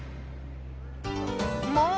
もう！